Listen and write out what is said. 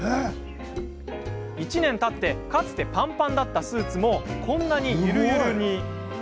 １年たってかつてぱんぱんだったスーツもこんなにゆるゆるに。